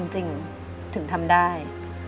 จริงถึงทำได้